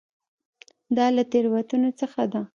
دا له تېروتنو څخه ده.